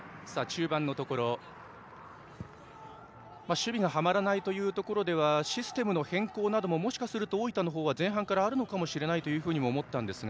守備がはまらないところではシステムの変更などももしかしたら大分は前半からあるかもしれないと思ったんですが。